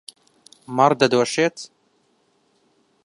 مەڕ دەدۆشێت.